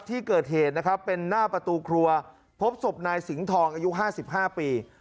ที่เกิดเหตุนะครับเป็นหน้าประตูครัวพบศพนายสิงห์ทองอายุ๕๕ปี